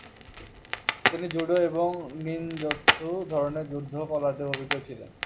তিনি জুডো এবং নিনজৎসু ধরনের যুদ্ধ কলাতেও অভিজ্ঞ ছিলেন।